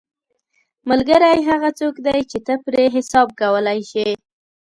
ملګری هغه څوک دی چې ته پرې حساب کولی شې